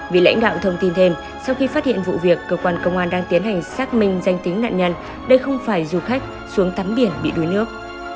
vì lãnh đạo thông tin thêm sau khi phát hiện vụ việc cơ quan công an đang tiến hành xác minh danh tính nạn nhân đây không phải du khách xuống tắm biển bị đuối nước